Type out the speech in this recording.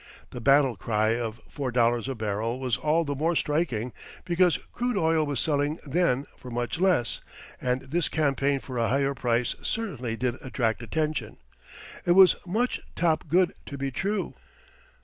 The battle cry of $4.00 a barrel was all the more striking because crude oil was selling then for much less, and this campaign for a higher price certainly did attract attention it was much top good to be true.